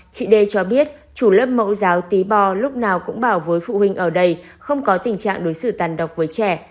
chị đê cho biết chủ lớp mẫu giáo tí b bò lúc nào cũng bảo với phụ huynh ở đây không có tình trạng đối xử tàn độc với trẻ